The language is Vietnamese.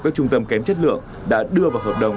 các trung tâm kém chất lượng đã đưa vào hợp đồng